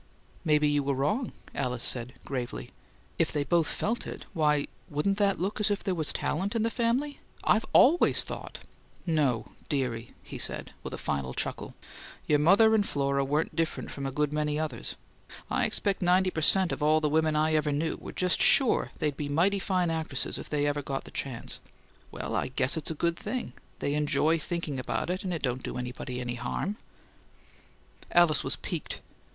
"Maybe you were wrong," Alice said, gravely. "If they both felt it, why wouldn't that look as if there was talent in the family? I've ALWAYS thought " "No, dearie," he said, with a final chuckle. "Your mother and Flora weren't different from a good many others. I expect ninety per cent. of all the women I ever knew were just sure they'd be mighty fine actresses if they ever got the chance. Well, I guess it's a good thing; they enjoy thinking about it and it don't do anybody any harm." Alice was piqued.